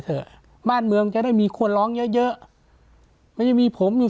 เถอะบ้านเมืองจะได้มีคนร้องเยอะเยอะไม่ใช่มีผมอยู่